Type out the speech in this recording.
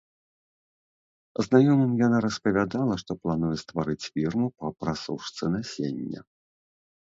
Знаёмым яна распавядала, што плануе стварыць фірму па прасушцы насення.